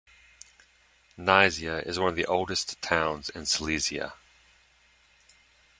Nysa is one of the oldest towns in Silesia.